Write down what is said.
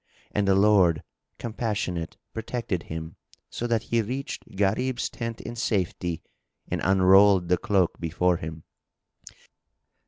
And the Lord, the Compassionate, protected him, so that he reached Gharib's tent in safety and unrolled the cloak before him.